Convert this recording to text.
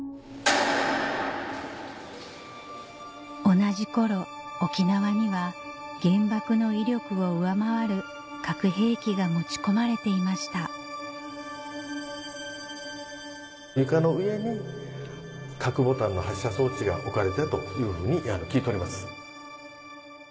同じ頃沖縄には原爆の威力を上回る核兵器が持ち込まれていました床の上に核ボタンの発射装置が置かれたというふうに聞いております。